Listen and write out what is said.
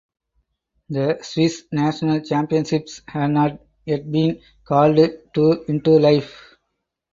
The Swiss national championships had not yet been called to into life.